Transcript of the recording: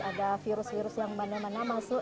ada virus virus yang mana mana masuk